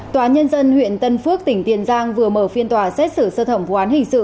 tòa nhân dân huyện tân phước tỉnh tiền giang vừa mở phiên tòa xét xử sơ thẩm vụ án hình sự